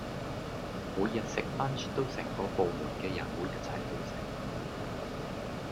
每日食 lunch 都成個部門嘅人會一齊去食